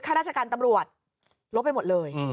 ข้าราชการตำรวจลบไปหมดเลย